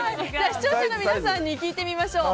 視聴者の皆さんに聞いてみましょう。